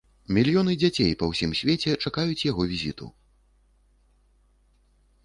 Мільёны дзяцей па ўсім свеце чакаюць яго візіту.